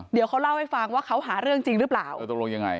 เดี๋ยวเขาเล่าให้ฟังว่าเขาหาเรื่องจริงหรือเปล่าเออตกลงยังไง